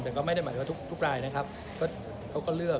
แต่ก็ไม่ได้หมายถึงว่าทุกรายนะครับเขาก็เลือก